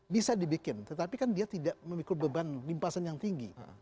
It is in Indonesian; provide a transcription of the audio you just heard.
bisa dibikin tetapi kan dia tidak memikul beban limpasan yang tinggi